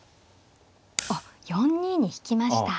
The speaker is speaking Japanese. あっ４二に引きました。